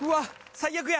最悪や。